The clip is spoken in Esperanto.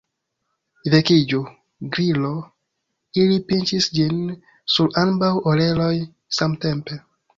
"Vekiĝu, Gliro!" Ili pinĉis ĝin sur ambaŭ oreloj samtempe.